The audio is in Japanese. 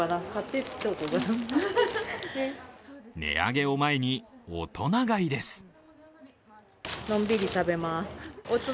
値上げを前に、大人買いです。